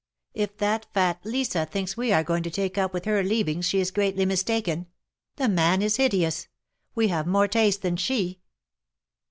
If that fat Lisa thinks we are going to take up with her leavings, she is greatly mistaken ! The man is hideous. We have more taste than she."